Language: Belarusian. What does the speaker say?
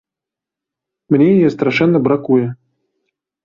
Мне яе страшэнна бракуе.